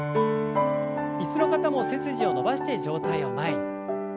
椅子の方も背筋を伸ばして上体を前に。